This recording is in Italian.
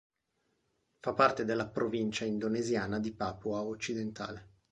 Fa parte della provincia indonesiana di Papua Occidentale.